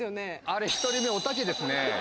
あれ１人目おたけですね